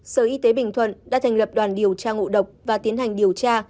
sở y tế bình thuận đã thành lập đoàn điều tra ngộ độc và tiến hành điều tra